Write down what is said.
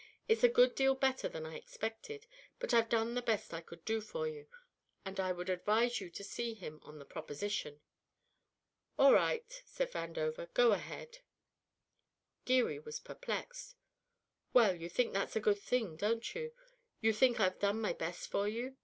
It's a good deal better than I expected, but I've done the best I could for you, and I would advise you to see him on the proposition." "All right," said Vandover. "Go ahead." Geary was perplexed. "Well, you think that's a good thing, don't you? You think I've done my best for you?